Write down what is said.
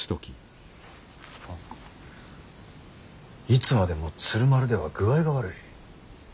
いつまでも鶴丸では具合が悪い。